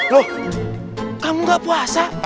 loh kamu gak puasa